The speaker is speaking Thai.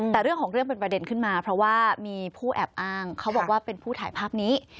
แต่เรื่องของเรื่องเป็นประเด็นขึ้นมาเพราะว่ามีผู้แอบอ้างเขาบอกว่าเป็นผู้ถ่ายภาพนี้